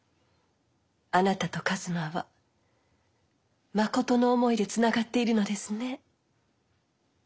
あなたと一馬はまことの思いでつながっているのですね。